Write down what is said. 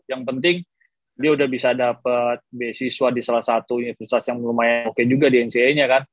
yang penting dia udah bisa dapat beasiswa di salah satu universitas yang lumayan oke juga di nca nya kan